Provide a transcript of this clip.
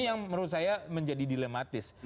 ini yang menurut saya menjadi dilematis